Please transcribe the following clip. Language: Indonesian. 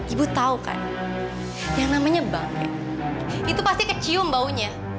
ibu tahu kan yang namanya bang itu pasti kecium baunya